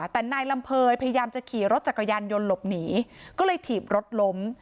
แต่นายลำเภยพยายามจะขี่รถจักรยานยนต์หลบหนีก็เลยถีบรถล้ม